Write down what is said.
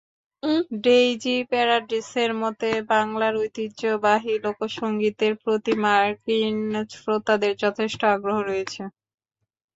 Daisy প্যারাডিসের মতে, বাংলার ঐতিহ্যবাহী লোকসংগীতের প্রতি মার্কিন শ্রোতাদের যথেষ্ট আগ্রহ রয়েছে।